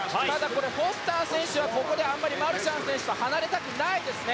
フォスター選手はあまりマルシャン選手と離れたくないですね。